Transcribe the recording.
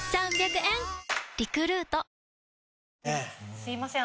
すいません